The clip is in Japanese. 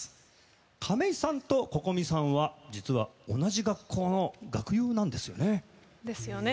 亀井さんとＣｏｃｏｍｉさんは実は、同じ学校の学友なんですよね。